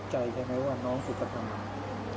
แต่คือยังไงเราก็ยังผิดใจใช่ไหมว่าน้องสุขธรรม